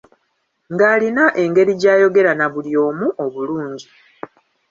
Ng'alina engeri gy'ayogera na buli omu obulungi.